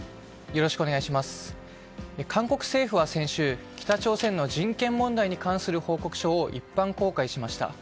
韓国政府は先週北朝鮮の人権問題に関する報告書を一般公開しました。